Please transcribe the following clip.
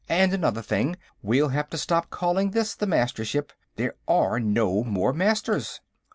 And another thing. We'll have to stop calling this the Mastership. There are no more Masters."